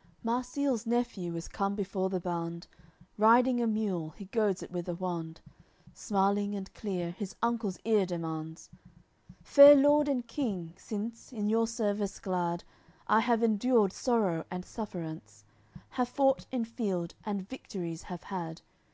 LXIX Marsile's nephew is come before the band, Riding a mule, he goads it with a wand, Smiling and clear, his uncle's ear demands: "Fair Lord and King, since, in your service, glad, I have endured sorrow and sufferance, Have fought in field, and victories have had.